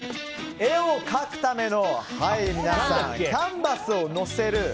絵を描くためのキャンバスを載せる